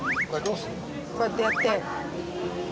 こうやってやって。